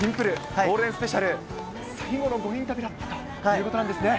ゴールデンスペシャル、最後の５人旅だったということなんですね。